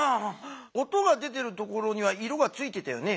音が出ているところには色がついてたよね。